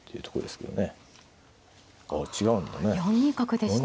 ああ違うんだね。